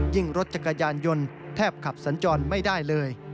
รถจักรยานยนต์แทบขับสัญจรไม่ได้เลย